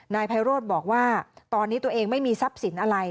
นายไพโรธบอกว่าตอนนี้ตัวเองไม่มีทรัพย์สินอะไร